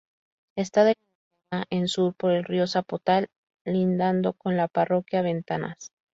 Está delimitada en sur por el río Zapotal, lindando con la parroquia Ventanas.